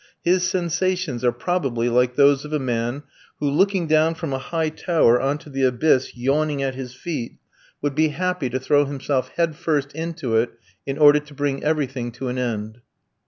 His sensations are probably like those of a man who, looking down from a high tower on to the abyss yawning at his feet, would be happy to throw himself head first into it in order to bring everything to an end.